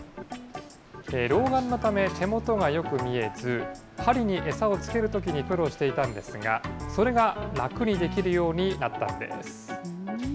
老眼のため、手元がよく見えず、針に餌をつけるときに苦労していたんですが、それが楽にできるようになったんです。